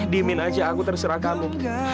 diemin aja aku terserah kamu